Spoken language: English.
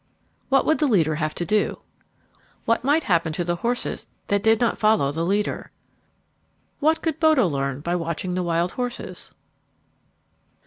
What would the leader have to do? What might happen to the horses that did not follow the leader? What could Bodo learn by watching the wild horses?